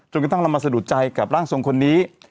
จนก็ต้องลำมาสะดุดใจกับร่างทรงคนนี้